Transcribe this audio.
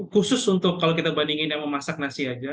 khusus untuk kalau kita bandingin dengan memasak nasi saja